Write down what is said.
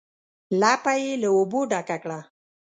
لپه یې له اوبو ډکه کړه.